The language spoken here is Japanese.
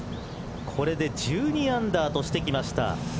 これで１２アンダーとしてきました